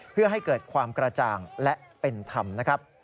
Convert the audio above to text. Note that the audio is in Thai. เพื่อให้เกิดความกระจ่างและเป็นธรรมนะครับ